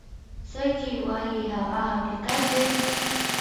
څه چی وای هغه حقیقت دی.